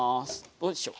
どうでしょう？